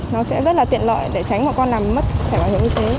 nó sẽ rất là tiện lợi để tránh bọn con làm mất thẻ bảo hiểm y tế